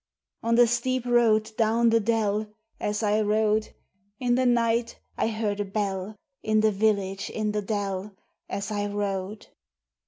On the steep road down the dell, As I rode, In the night I heard a bell, In the village in the dell, As I rode.